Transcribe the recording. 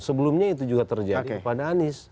sebelumnya itu juga terjadi kepada anies